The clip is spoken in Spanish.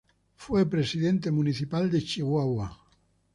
Fue Presidente Municipal de Chihuahua.